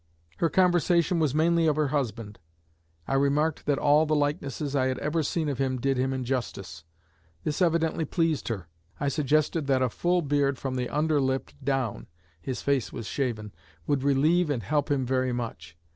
Our conversation was mainly of her husband. I remarked that all the likenesses I had ever seen of him did him injustice. This evidently pleased her. I suggested that a full beard from the under lip down (his face was shaven) would relieve and help him very much.